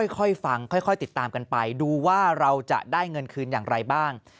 ค่อยฟังค่อยติดตามกันไปดูว่าเราจะได้เงินคืนอย่างไรบ้าง